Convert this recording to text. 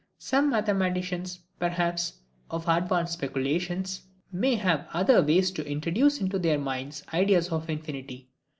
Some mathematicians perhaps, of advanced speculations, may have other ways to introduce into their minds ideas of infinity.